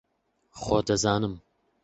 خۆ دەزانم